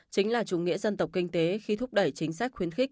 chính là chủ nghĩa dân tộc kinh tế khi thúc đẩy chính sách khuyến khích